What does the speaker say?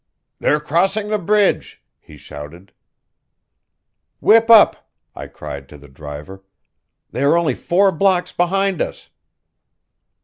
"They're crossing the bridge," he shouted. "Whip up!" I cried to the driver. "They are only four blocks behind us."